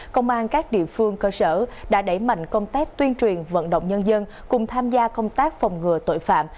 công an các địa phương cơ sở đã đẩy mạnh công tác tuyên truyền vận động nhân dân cùng tham gia công tác phòng ngừa tội phạm